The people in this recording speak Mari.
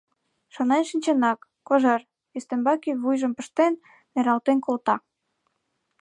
Шонен шинченак, Кожер, ӱстембаке вуйжым пыштен, нералтен колта.